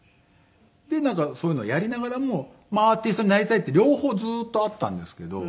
なんかそういうのをやりながらもアーティストになりたいって両方ずっとあったんですけど。